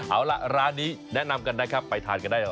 เอาล่ะร้านนี้แนะนำกันนะครับไปทานกันได้